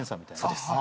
そうです。